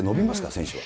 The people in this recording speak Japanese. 選手は。